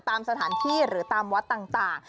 ตามสถานที่หรือตามวัดต่าง